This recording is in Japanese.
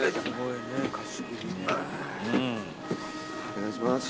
お願いします。